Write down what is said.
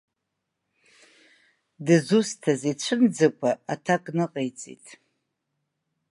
Дызусҭаз ицәымӡакәа аҭак ныҟаиҵеит.